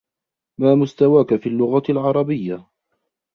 ما مستواك في اللغة العربية؟